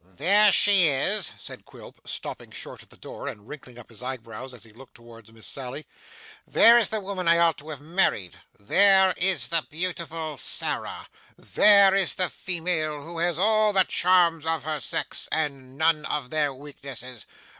'There she is,' said Quilp, stopping short at the door, and wrinkling up his eyebrows as he looked towards Miss Sally; 'there is the woman I ought to have married there is the beautiful Sarah there is the female who has all the charms of her sex and none of their weaknesses.